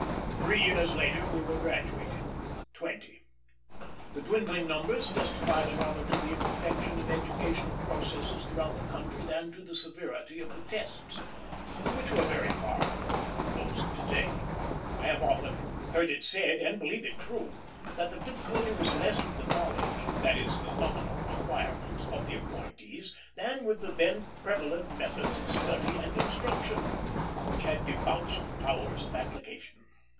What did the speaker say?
Three years later we were graduated, twenty. The dwindling numbers testifies rather to the imperfection of educational processes throughout the country than to the severity of the tests, which were very far below those of to day. I have often heard it said, and believe it true, that the difficulty was less with the knowledge that is, the nominal acquirements of the appointees than with the then prevalent methods of study and instruction, which had debauched the powers of application.